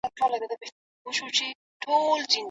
آیا د فرانسې انقلاب مثبتې پایلې درلودې؟